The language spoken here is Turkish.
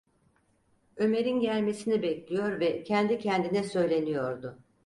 Ömer’in gelmesini bekliyor ve kendi kendine söyleniyordu.